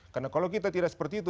karena kalau kita tidak seperti itu